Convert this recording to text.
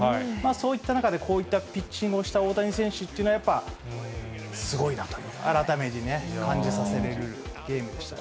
そういった中で、こういったピッチングをした大谷選手っていうのは、やっぱすごいなとね、改めて感じさせられるゲームでしたね。